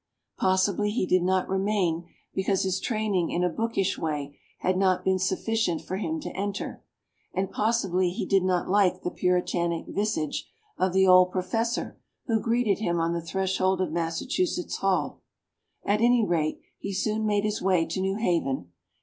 Possibly he did not remain because his training in a bookish way had not been sufficient for him to enter, and possibly he did not like the Puritanic visage of the old professor who greeted him on the threshold of Massachusetts Hall; at any rate, he soon made his way to New Haven.